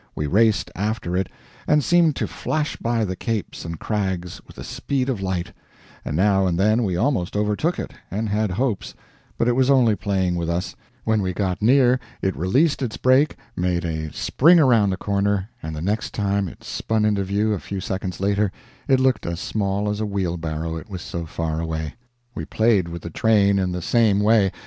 We raced after it, and seemed to flash by the capes and crags with the speed of light; and now and then we almost overtook it and had hopes; but it was only playing with us; when we got near, it released its brake, made a spring around a corner, and the next time it spun into view, a few seconds later, it looked as small as a wheelbarrow, it was so far away. We played with the train in the same way.